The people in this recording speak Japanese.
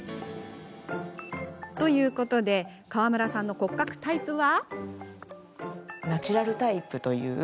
ということで川村さんの骨格タイプは。